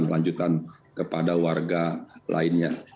kelanjutan kepada warga lainnya